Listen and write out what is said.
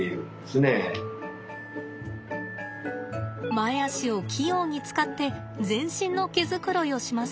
前足を器用に使って全身の毛づくろいをします。